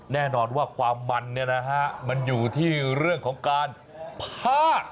แน่นอนว่าความมันเนี่ยนะฮะมันอยู่ที่เรื่องของการพาด